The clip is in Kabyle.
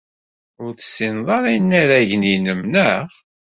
Ur tessineḍ ara inaragen-nnem, naɣ?